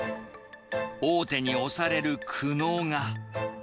大手に押される苦悩が。